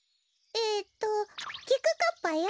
えっときくかっぱよ。